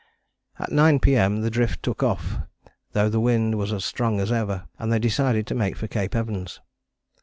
At 9 P.M. the drift took off though the wind was as strong as ever, and they decided to make for Cape Evans.